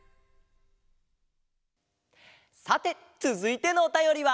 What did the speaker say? さてつづいてのおたよりは？